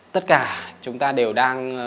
tất cả chúng ta đều đang